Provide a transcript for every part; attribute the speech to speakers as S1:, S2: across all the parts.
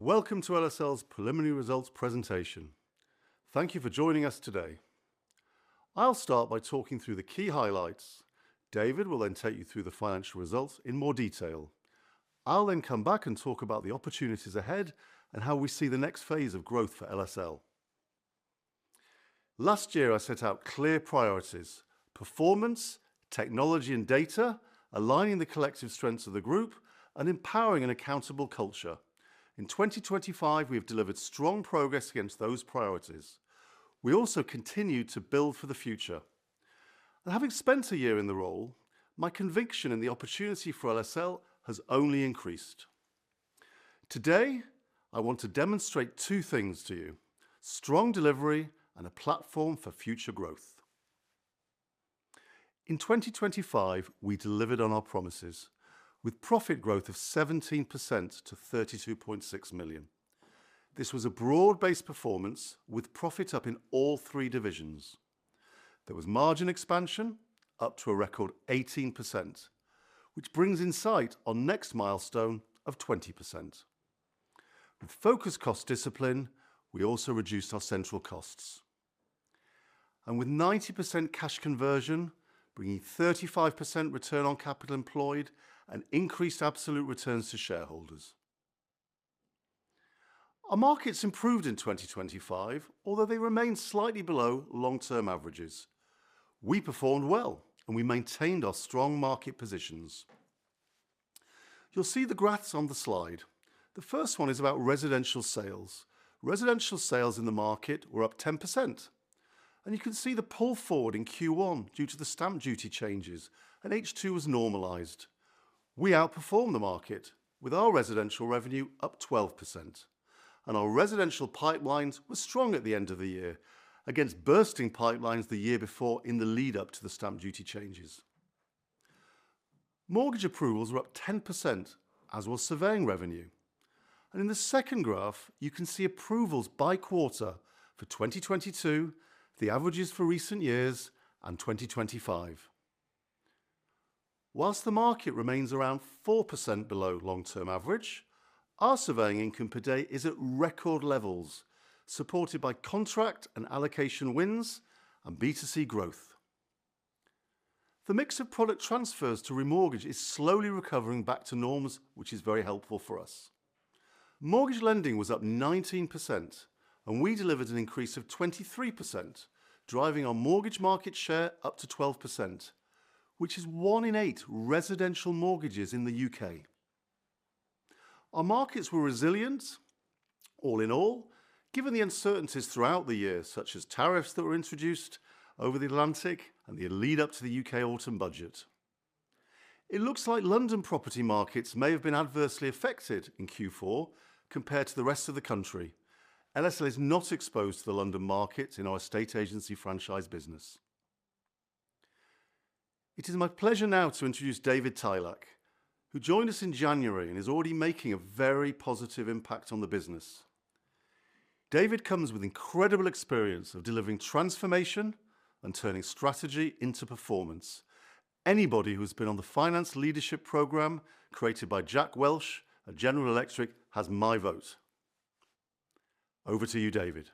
S1: Welcome to LSL's preliminary results presentation. Thank you for joining us today. I'll start by talking through the key highlights. David will then take you through the financial results in more detail. I'll then come back and talk about the opportunities ahead and how we see the next phase of growth for LSL. Last year, I set out clear priorities, performance, technology and data, aligning the collective strengths of the group, and empowering an accountable culture. In 2025, we have delivered strong progress against those priorities. We also continued to build for the future. Having spent a year in the role, my conviction in the opportunity for LSL has only increased. Today, I want to demonstrate two things to you, strong delivery and a platform for future growth. In 2025, we delivered on our promises with profit growth of 17% to 32.6 million. This was a broad-based performance with profit up in all three divisions. There was margin expansion, up to a record 18%, which brings in sight our next milestone of 20%. With focused cost discipline, we also reduced our central costs. With 90% cash conversion, bringing 35% return on capital employed and increased absolute returns to shareholders. Our markets improved in 2025, although they remain slightly below long-term averages. We performed well and we maintained our strong market positions. You'll see the graphs on the slide. The first one is about residential sales. Residential sales in the market were up 10%, and you can see the pull forward in Q1 due to the Stamp Duty changes, and H2 was normalized. We outperformed the market with our residential revenue up 12%, and our residential pipelines were strong at the end of the year against bursting pipelines the year before in the lead-up to the Stamp Duty changes. Mortgage approvals were up 10%, as was surveying revenue. In the second graph, you can see approvals by quarter for 2022, the averages for recent years, and 2025. While the market remains around 4% below long-term average, our surveying income per day is at record levels, supported by contract and allocation wins and B2C growth. The mix of product transfers to remortgage is slowly recovering back to norms, which is very helpful for us. Mortgage lending was up 19%, and we delivered an increase of 23%, driving our mortgage market share up to 12%, which is one in eight residential mortgages in the U.K. Our markets were resilient, all in all, given the uncertainties throughout the year, such as tariffs that were introduced over the Atlantic and the lead up to the U.K. Autumn Budget. It looks like London property markets may have been adversely affected in Q4 compared to the rest of the country. LSL is not exposed to the London market in our Estate Agency Franchise business. It is my pleasure now to introduce David Tilak, who joined us in January and is already making a very positive impact on the business. David comes with incredible experience of delivering transformation and turning strategy into performance. Anybody who's been on the finance leadership program created by Jack Welch at General Electric has my vote. Over to you, David.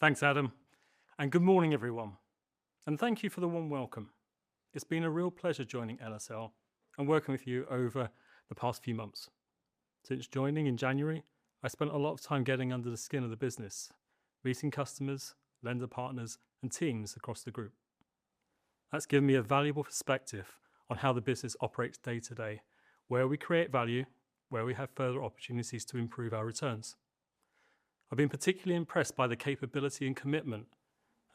S2: Thanks, Adam, and good morning, everyone. Thank you for the warm welcome. It's been a real pleasure joining LSL and working with you over the past few months. Since joining in January, I spent a lot of time getting under the skin of the business, meeting customers, lender partners and teams across the group. That's given me a valuable perspective on how the business operates day to day, where we create value, where we have further opportunities to improve our returns. I've been particularly impressed by the capability and commitment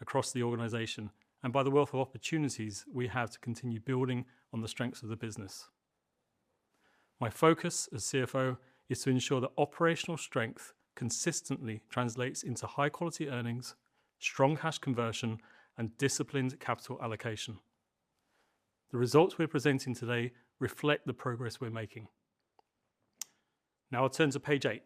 S2: across the organization and by the wealth of opportunities we have to continue building on the strengths of the business. My focus as CFO is to ensure that operational strength consistently translates into high quality earnings, strong cash conversion and disciplined capital allocation. The results we're presenting today reflect the progress we're making. Now I'll turn to page eight.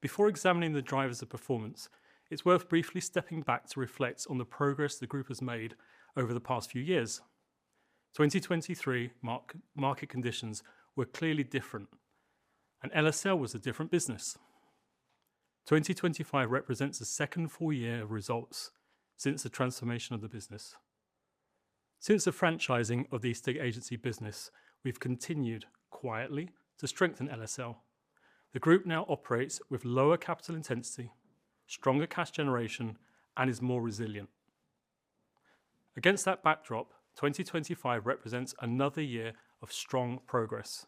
S2: Before examining the drivers of performance, it's worth briefly stepping back to reflect on the progress the group has made over the past few years. 2023 market conditions were clearly different, and LSL was a different business. 2025 represents the second full year of results since the transformation of the business. Since the franchising of the Estate Agency business, we've continued quietly to strengthen LSL. The group now operates with lower capital intensity, stronger cash generation, and is more resilient. Against that backdrop, 2025 represents another year of strong progress.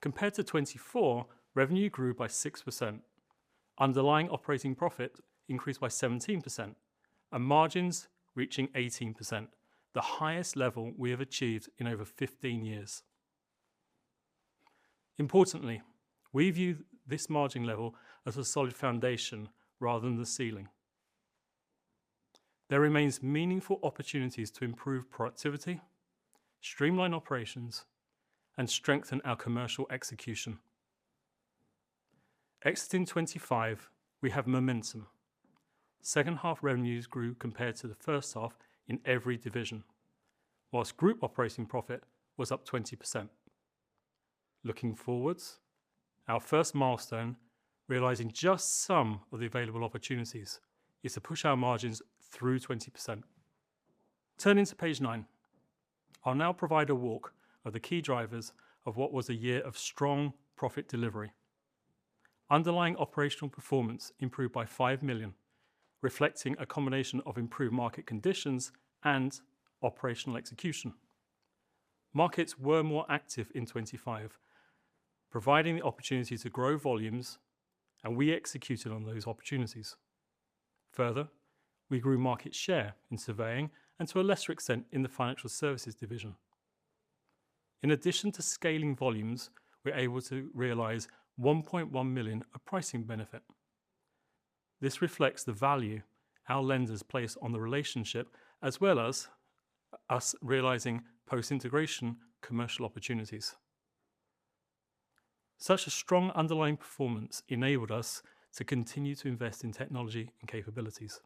S2: Compared to 2024, revenue grew by 6%, underlying operating profit increased by 17% and margins reaching 18%, the highest level we have achieved in over 15 years. Importantly, we view this margin level as a solid foundation rather than the ceiling. There remains meaningful opportunities to improve productivity, streamline operations and strengthen our commercial execution. Exiting 2025, we have momentum. Second half revenues grew compared to the first half in every division while group operating profit was up 20%. Looking forward, our first milestone, realizing just some of the available opportunities, is to push our margins through 20%. Turning to page nine. I'll now provide a walk of the key drivers of what was a year of strong profit delivery. Underlying operational performance improved by 5 million, reflecting a combination of improved market conditions and operational execution. Markets were more active in 2025, providing the opportunity to grow volumes, and we executed on those opportunities. Further, we grew market share in surveying and to a lesser extent, in the Financial Services division. In addition to scaling volumes, we're able to realize 1.1 million of pricing benefit. This reflects the value our lenders place on the relationship as well as us realizing post-integration commercial opportunities. Such a strong underlying performance enabled us to continue to invest in technology and capabilities.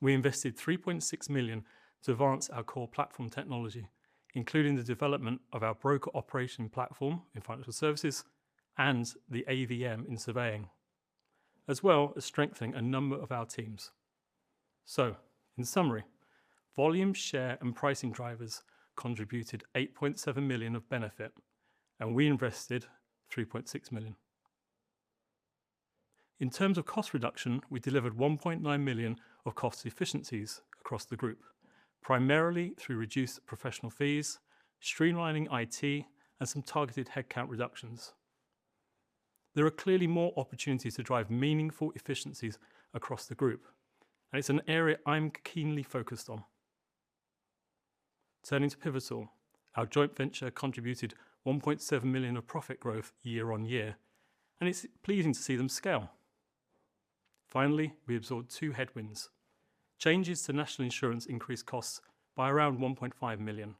S2: We invested 3.6 million to advance our core platform technology, including the development of our broker operating platform in financial services and the AVM in surveying, as well as strengthening a number of our teams. In summary, volume, share, and pricing drivers contributed 8.7 million of benefit, and we invested 3.6 million. In terms of cost reduction, we delivered 1.9 million of cost efficiencies across the group, primarily through reduced professional fees, streamlining IT, and some targeted headcount reductions. There are clearly more opportunities to drive meaningful efficiencies across the group, and it's an area I'm keenly focused on. Turning to Pivotal, our joint venture contributed 1.7 million of profit growth year-on-year, and it's pleasing to see them scale. Finally, we absorbed two headwinds. Changes to National Insurance increased costs by around 1.5 million.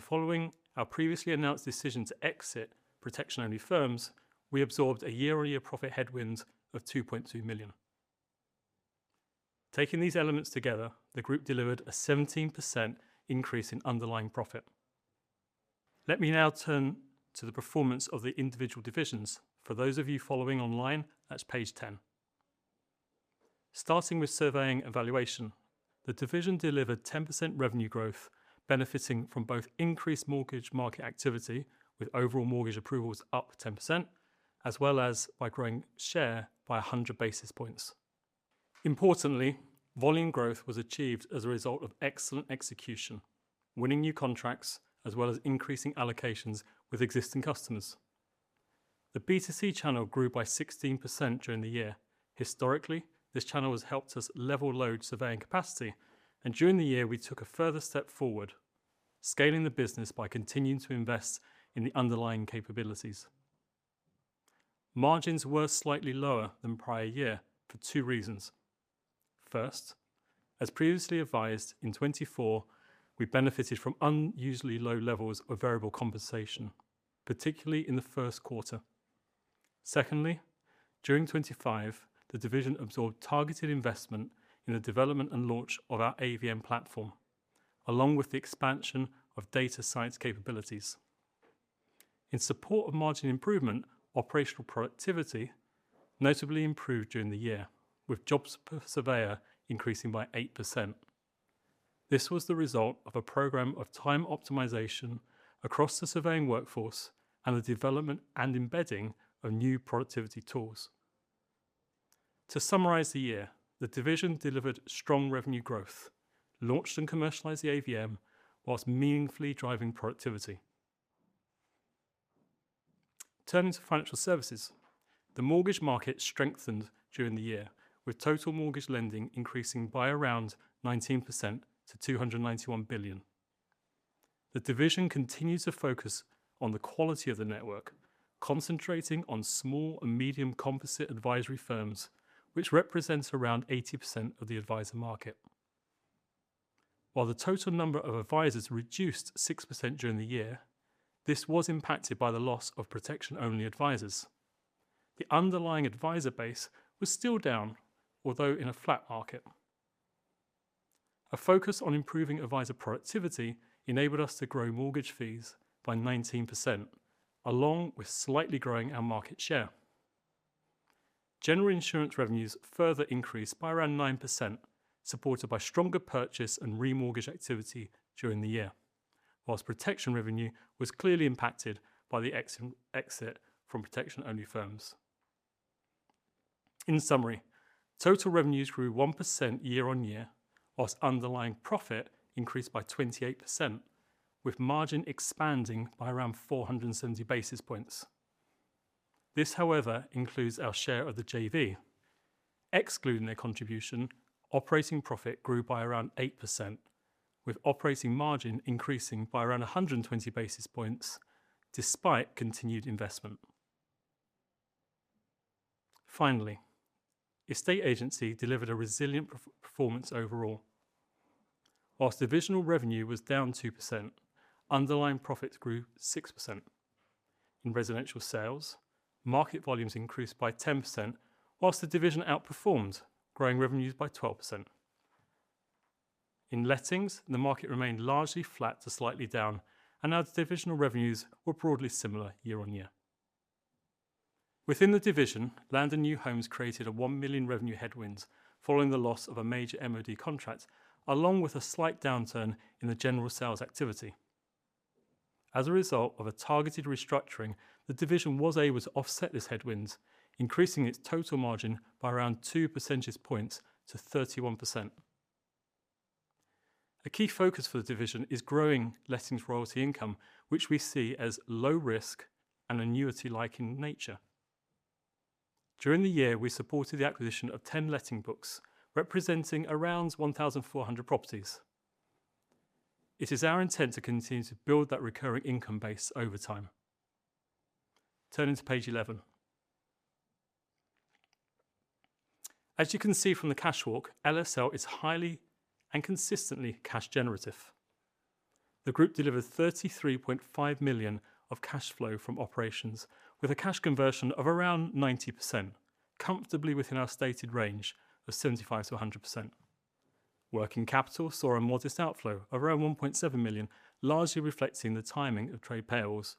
S2: Following our previously announced decision to exit protection-only firms, we absorbed a year-on-year profit headwinds of 2.2 million. Taking these elements together, the group delivered a 17% increase in underlying profit. Let me now turn to the performance of the individual divisions. For those of you following online, that's page 10. Starting with Surveying and Valuation, the division delivered 10% revenue growth benefiting from both increased mortgage market activity with overall mortgage approvals up 10% as well as by growing share by 100 basis points. Importantly, volume growth was achieved as a result of excellent execution, winning new contracts, as well as increasing allocations with existing customers. The B2C channel grew by 16% during the year. Historically, this channel has helped us level load surveying capacity, and during the year, we took a further step forward, scaling the business by continuing to invest in the underlying capabilities. Margins were slightly lower than prior year for two reasons. First, as previously advised, in 2024, we benefited from unusually low levels of variable compensation, particularly in the first quarter. Secondly, during 2025, the division absorbed targeted investment in the development and launch of our AVM platform, along with the expansion of data science capabilities. In support of margin improvement, operational productivity notably improved during the year with jobs per surveyor increasing by 8%. This was the result of a program of time optimization across the surveying workforce and the development and embedding of new productivity tools. To summarize the year, the division delivered strong revenue growth, launched and commercialized the AVM while meaningfully driving productivity. Turning to Financial Services. The mortgage market strengthened during the year with total mortgage lending increasing by around 19% to 291 billion. The division continues to focus on the quality of the network, concentrating on small and medium composite advisory firms, which represents around 80% of the advisor market. While the total number of advisors reduced 6% during the year, this was impacted by the loss of protection-only advisors. The underlying advisor base was still down, although in a flat market. A focus on improving advisor productivity enabled us to grow mortgage fees by 19% along with slightly growing our market share. General insurance revenues further increased by around 9%, supported by stronger purchase and remortgage activity during the year. While protection revenue was clearly impacted by the exit from protection-only firms. In summary, total revenues grew 1% year-over-year, while underlying profit increased by 28% with margin expanding by around 470 basis points. This, however, includes our share of the JV. Excluding their contribution, operating profit grew by around 8% with operating margin increasing by around 120 basis points despite continued investment. Finally, Estate Agency delivered a resilient performance overall. While divisional revenue was down 2%, underlying profits grew 6%. In residential sales, market volumes increased by 10%, while the division outperformed, growing revenues by 12%. In lettings, the market remained largely flat to slightly down, and our divisional revenues were broadly similar year-on-year. Within the division, Land and New Homes incurred a 1 million revenue headwind following the loss of a major MOD contract, along with a slight downturn in the general sales activity. As a result of a targeted restructuring, the division was able to offset this headwind, increasing its total margin by around 2 percentage points to 31%. A key focus for the division is growing lettings royalty income, which we see as low-risk and annuity-like in nature. During the year, we supported the acquisition of 10 letting books, representing around 1,400 properties. It is our intent to continue to build that recurring income base over time. Turning to page eleven. As you can see from the cash walk, LSL is highly and consistently cash generative. The group delivered 33.5 million of cash flow from operations with a cash conversion of around 90%, comfortably within our stated range of 75%-100%. Working capital saw a modest outflow around 1.7 million, largely reflecting the timing of trade payables.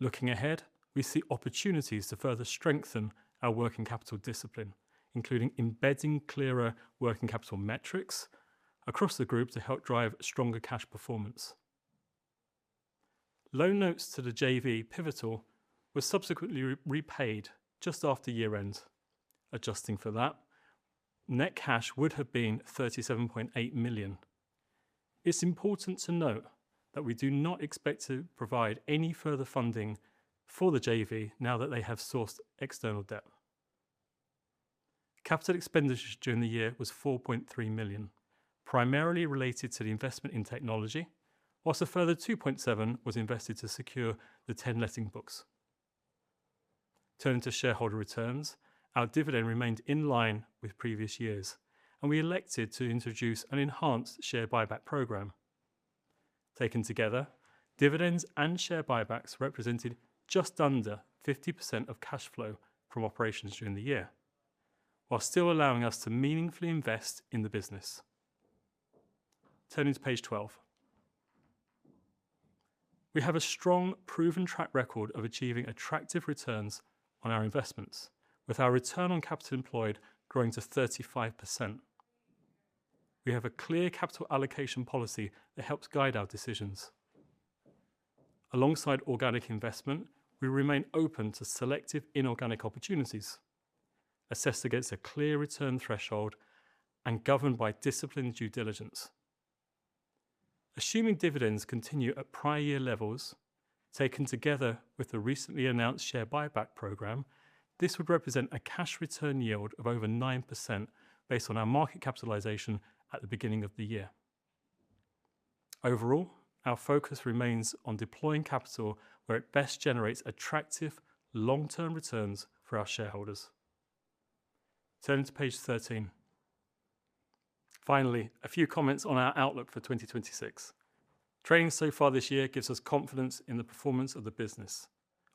S2: Looking ahead, we see opportunities to further strengthen our working capital discipline, including embedding clearer working capital metrics across the group to help drive stronger cash performance. Loan notes to the JV, Pivotal were subsequently repaid just after year end. Adjusting for that, net cash would have been 37.8 million. It's important to note that we do not expect to provide any further funding for the JV now that they have sourced external debt. Capital expenditure during the year was 4.3 million, primarily related to the investment in technology, while a further 2.7 million was invested to secure the 10 letting books. Turning to shareholder returns, our dividend remained in line with previous years, and we elected to introduce an enhanced share buyback program. Taken together, dividends and share buybacks represented just under 50% of cash flow from operations during the year, while still allowing us to meaningfully invest in the business. Turning to page 12. We have a strong, proven track record of achieving attractive returns on our investments, with our return on capital employed growing to 35%. We have a clear capital allocation policy that helps guide our decisions. Alongside organic investment, we remain open to selective inorganic opportunities, assessed against a clear return threshold and governed by disciplined due diligence. Assuming dividends continue at prior year levels, taken together with the recently announced share buyback program, this would represent a cash return yield of over 9% based on our market capitalization at the beginning of the year. Overall, our focus remains on deploying capital where it best generates attractive long-term returns for our shareholders. Turning to page 13. Finally, a few comments on our outlook for 2026. Trading so far this year gives us confidence in the performance of the business,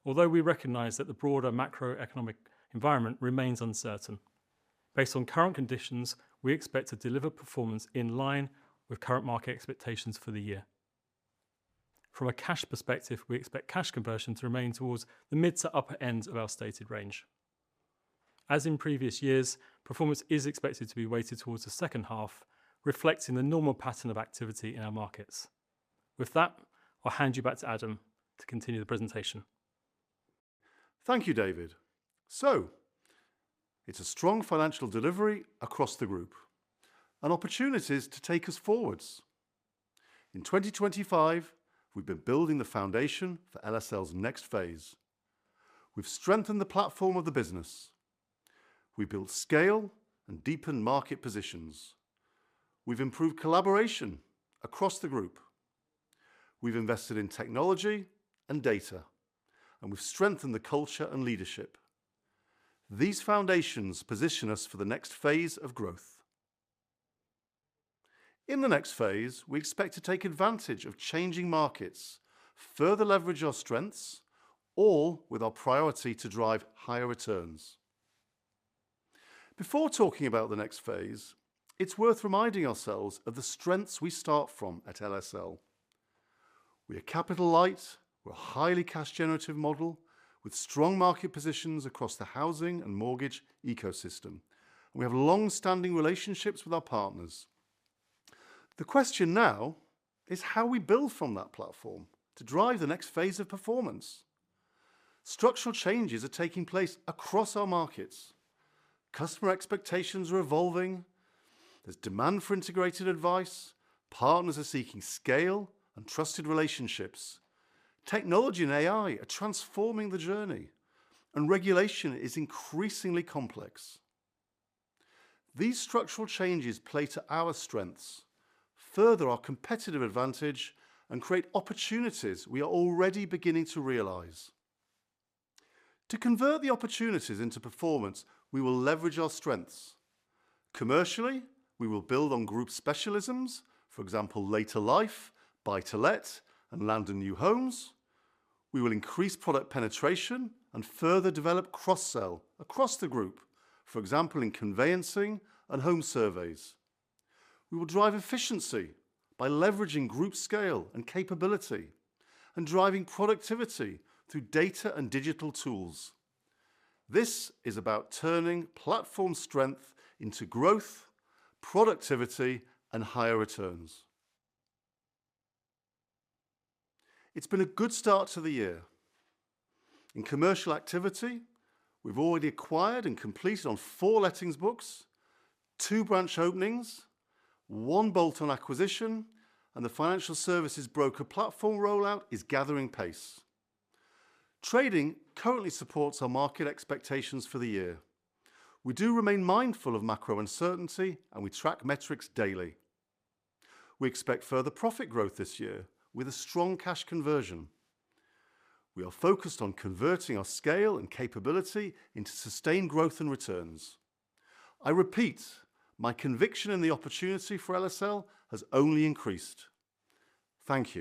S2: although we recognize that the broader macroeconomic environment remains uncertain. Based on current conditions, we expect to deliver performance in line with current market expectations for the year. From a cash perspective, we expect cash conversion to remain towards the mid to upper end of our stated range. As in previous years, performance is expected to be weighted towards the second half, reflecting the normal pattern of activity in our markets. With that, I'll hand you back to Adam to continue the presentation.
S1: Thank you, David. It's a strong financial delivery across the group and opportunities to take us forward. In 2025, we've been building the foundation for LSL's next phase. We've strengthened the platform of the business. We built scale and deepened market positions. We've improved collaboration across the group. We've invested in technology and data, and we've strengthened the culture and leadership. These foundations position us for the next phase of growth. In the next phase, we expect to take advantage of changing markets, further leverage our strengths, all with our priority to drive higher returns. Before talking about the next phase, it's worth reminding ourselves of the strengths we start from at LSL. We are capital light. We're a highly cash generative model with strong market positions across the housing and mortgage ecosystem. We have long-standing relationships with our partners. The question now is how we build from that platform to drive the next phase of performance. Structural changes are taking place across our markets. Customer expectations are evolving. There's demand for integrated advice. Partners are seeking scale and trusted relationships. Technology and AI are transforming the journey, and regulation is increasingly complex. These structural changes play to our strengths, further our competitive advantage, and create opportunities we are already beginning to realize. To convert the opportunities into performance, we will leverage our strengths. Commercially, we will build on group specialisms, for example, later life, buy-to-let, and Land & New Homes. We will increase product penetration and further develop cross-sell across the group, for example, in conveyancing and home surveys. We will drive efficiency by leveraging group scale and capability and driving productivity through data and digital tools. This is about turning platform strength into growth, productivity, and higher returns. It's been a good start to the year. In commercial activity, we've already acquired and completed on four lettings books, two branch openings, one bolt-on acquisition, and the financial services broker platform rollout is gathering pace. Trading currently supports our market expectations for the year. We do remain mindful of macro uncertainty, and we track metrics daily. We expect further profit growth this year with a strong cash conversion. We are focused on converting our scale and capability into sustained growth and returns. I repeat, my conviction in the opportunity for LSL has only increased. Thank you.